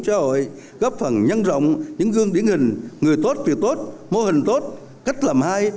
xã hội góp phần nhân rộng những gương điển hình người tốt việc tốt mô hình tốt cách làm hay